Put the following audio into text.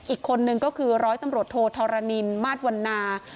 อีกคนนึงก็คือร้อยตำรวจโทธรณินมาสวันนา